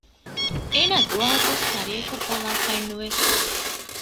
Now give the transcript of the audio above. އޭނާ ދުވަހަކު ވެސް ތަރިއަކަށް ބަލާފައެއް ނުވެ